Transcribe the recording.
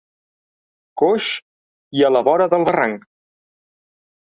Coix i a la vora del barranc.